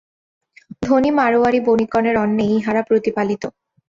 ধনী মারোয়াড়ী বণিকগণের অন্নেই ইঁহারা প্রতিপালিত।